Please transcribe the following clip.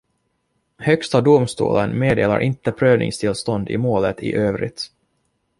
Högsta domstolen meddelar inte prövningstillstånd i målet i övrigt.